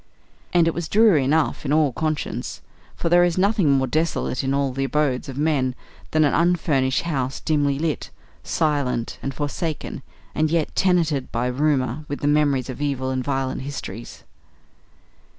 And it was dreary enough in all conscience, for there is nothing more desolate in all the abodes of men than an unfurnished house dimly lit, silent, and forsaken, and yet tenanted by rumour with the memories of evil and violent histories.